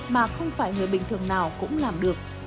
mà không phải người bình thường nào cũng làm được